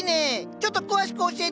ちょっと詳しく教えてよ。